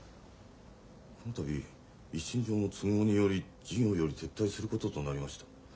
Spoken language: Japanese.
「この度一身上の都合により事業より撤退することとなりました」。